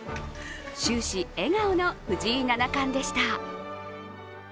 終始笑顔の藤井七冠でした。